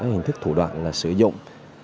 hình thức thủ đoạn là sử dụng